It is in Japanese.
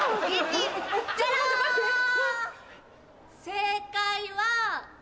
正解は。